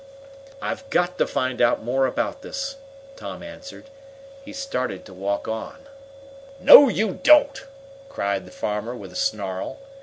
"I've got to find out more about this," Tom answered. He started to walk on. "No you don't!" cried the farmer, with a snarl.